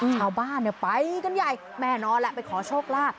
ชาวบ้านไปกันใหญ่แน่นอนแหละไปขอโชคลาภ